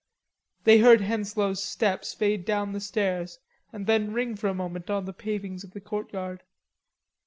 They heard Henslowe's steps fade down the stairs and then ring for a moment on the pavings of the courtyard.